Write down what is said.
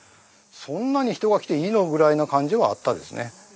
そんなに人が来ていいの？ぐらいな感じはあったですね。